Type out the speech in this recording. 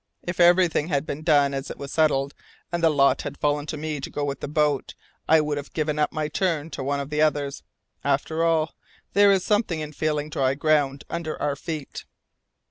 If everything had been done as it was settled, and the lot had fallen to me to go with the boat, I would have given up my turn to one of the others. After all, there is something in feeling dry ground under your feet.